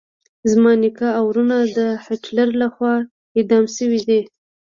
زما نیکه او ورونه د هټلر لخوا اعدام شويدي.